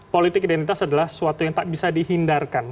politik identitas adalah suatu yang tak bisa dihindarkan